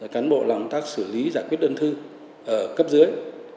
cán bộ làm tác xử lý giải quyết đơn thư ở cấp dưới